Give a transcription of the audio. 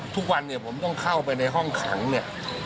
ทุกวันเนี่ยผมต้องเข้าไปในห้องขังเนี่ย